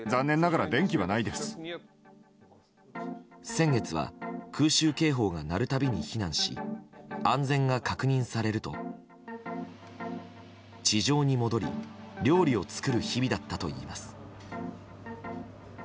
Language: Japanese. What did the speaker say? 先月は空襲警報が鳴る度に避難し安全が確認されると地上に戻り料理を作る日々だったといいます。